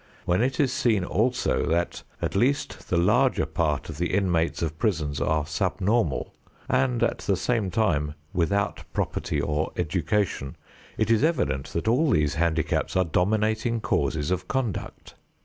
When it is seen also that at least the larger part of the inmates of prisons are subnormal and at the same time without property or education, it is evident that all these handicaps are dominating causes of conduct.